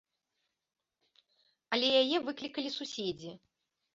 Але яе выклікалі суседзі.